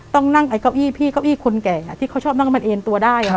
ต้องนั่งไอ้เก้าอี้พี่เก้าอี้คนแก่ที่เขาชอบนั่งมันเอ็นตัวได้